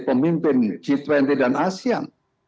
pemimpin g dua puluh dan asean